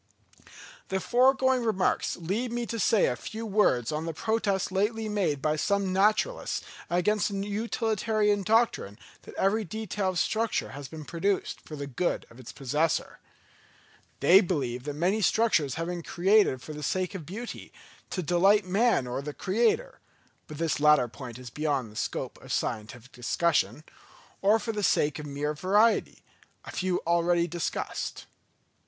_ The foregoing remarks lead me to say a few words on the protest lately made by some naturalists against the utilitarian doctrine that every detail of structure has been produced for the good of its possessor. They believe that many structures have been created for the sake of beauty, to delight man or the Creator (but this latter point is beyond the scope of scientific discussion), or for the sake of mere variety, a view already discussed.